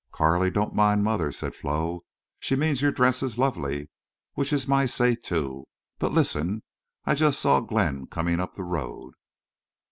"Carley, don't mind mother," said Flo. "She means your dress is lovely. Which is my say, too.... But, listen. I just saw Glenn comin' up the road."